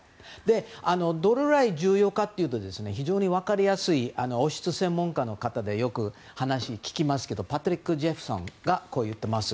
どれくらい重要かというと非常に分かりやすい王室専門家の方でよく話を聞きますけどパトリック・ジェフソンがこう言っています。